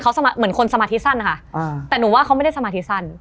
เขาเหมือนคนสมาธิสั้นนะคะแต่หนูว่าเขาไม่ได้สมาธิสั้น